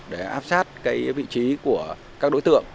để áp sát cái vị trí của các đối tượng